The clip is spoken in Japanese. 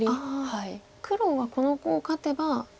黒はこのコウ勝てば。